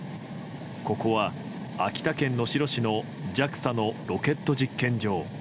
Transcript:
ここは秋田県能代市のＪＡＸＡのロケット実験場。